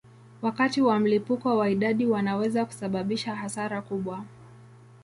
Wakati wa mlipuko wa idadi wanaweza kusababisha hasara kubwa.